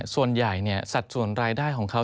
ส่วนใหญ่สัดส่วนรายได้ของเขา